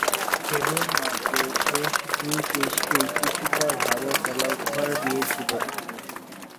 কেবলমাত্র শেষ দুই টেস্টেই কিছুটা ভালো খেলা উপহার দিয়েছিলেন।